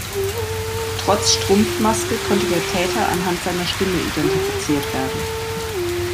Trotz Strumpfmaske konnte der Täter anhand seiner Stimme identifiziert werden.